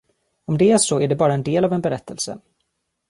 Om det är så är det bara en del av en berättelse.